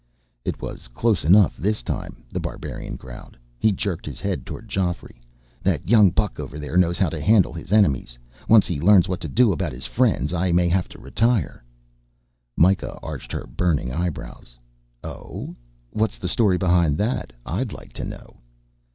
"It was close enough, this time," The Barbarian growled. He jerked his head toward Geoffrey. "That young buck over there knows how to handle his enemies. Once he learns what to do about his friends, I may have to retire." Myka arched her burning eyebrows. "Oh? What's the story behind that, I'd like to know."